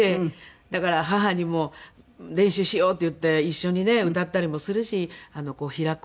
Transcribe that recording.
だから母にも練習しようって言って一緒にね歌ったりもするし開こうっていってのどを。